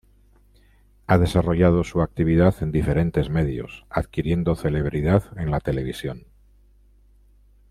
Ha desarrollado su actividad en diferentes medios, adquiriendo celebridad en la televisión.